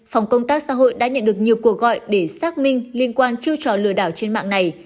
phòng công tác xã hội đã nhận được nhiều cuộc gọi để xác minh liên quan chiêu trò lừa đảo trên mạng này